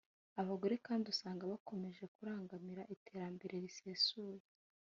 Abagore kandi usanga bakomeje kurangamira iterambere riruseho